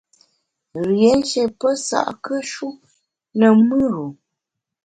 Rié nshié pesa’kùe-shu ne mùr-u.